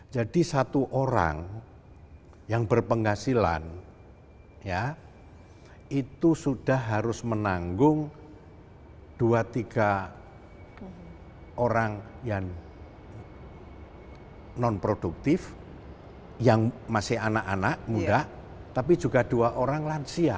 jadi satu orang yang berpenghasilan ya itu sudah harus menanggung dua tiga orang yang non produktif yang masih anak anak muda tapi juga dua orang lansia